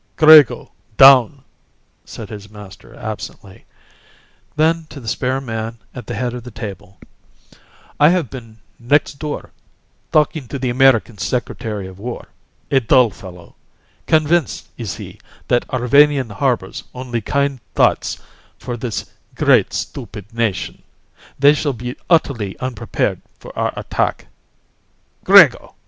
"Grego, down," said his master absently. Then, to the spare man at the head of the table: "I have been next door, talking to the American Secretary of War. A dull fellow. Convinced, is he, that Arvania harbors only kind thoughts for this great stupid nation. They shall be utterly unprepared for our attack Grego!